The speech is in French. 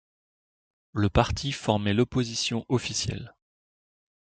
Le parti formaient l'Opposition officielle.